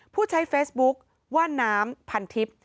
ผู้ใช้เฟซบุ๊คว่าน้ำพันทิพย์